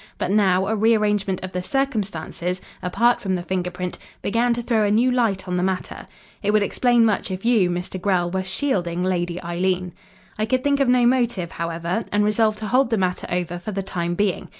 But now a rearrangement of the circumstances, apart from the finger print, began to throw a new light on the matter. It would explain much if you, Mr. Grell, were shielding Lady Eileen. "I could think of no motive, however, and resolved to hold the matter over for the time being.